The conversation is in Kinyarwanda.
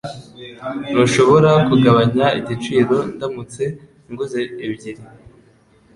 Ntushobora kugabanya igiciro ndamutse nguze ebyiri?